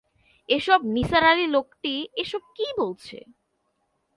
এ-সব নিসার আলি লোকটি এ-সব কী বলছে।